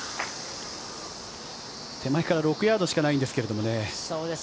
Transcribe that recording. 手前から６ヤードしかないんですけれどもね。